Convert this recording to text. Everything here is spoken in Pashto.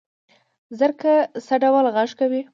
زرکه څه ډول غږ کوي؟